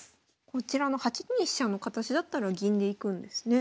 こちらの８二飛車の形だったら銀でいくんですね。